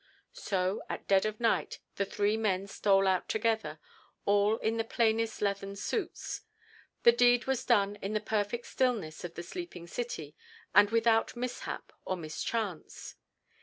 So at dead of night the three men stole out together, all in the plainest leathern suits. The deed was done in the perfect stillness of the sleeping City, and without mishap or mischance.